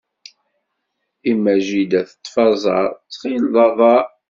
Imma jidda teṭṭef aẓaṛ, tɣil d aḍaṛ.